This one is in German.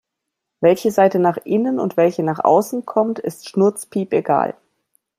Welche Seite nach innen und welche nach außen kommt, ist schnurzpiepegal.